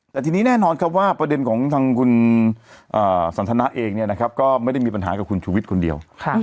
แต่ทีนี้แน่นอนครับว่าประเด็นของทางคุณสันทนาเองก็ไม่ได้มีปัญหากับคุณชูวิทย์คนเดียว